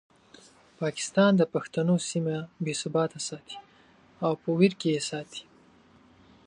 پاکستان د پښتنو سیمه بې ثباته ساتي او په ویر کې یې ساتي.